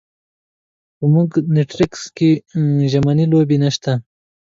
په مونټریکس کې ژمنۍ لوبې نشته.